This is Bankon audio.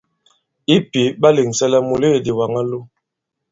I pǐ, ɓa lèŋsɛ la mùleèdì wǎŋ a lo.